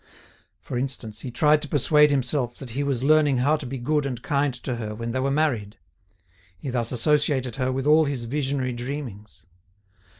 For instance, he tried to persuade himself that he was learning how to be good and kind to her when they were married. He thus associated her with all his visionary dreamings.